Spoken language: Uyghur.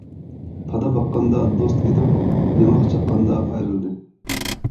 پادا باققاندا دوست ئىدۇق، ياڭاق چاققاندا ئايرىلدى.